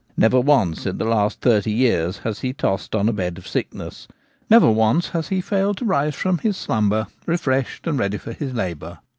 Never once for the last thirty years has he tossed on a bed of sickness ; never once has he failed to rise from his slumber refreshed and ready for his labour.